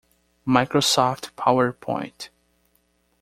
Microsoft PowerPoint.